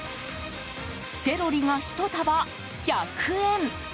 セロリが１束１００円。